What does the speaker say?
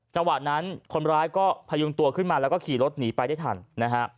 จังหวะนั้นคนร้ายก็พยุงตัวขึ้นมาแล้วก็ขี่รถหนีไปได้ทันนะฮะ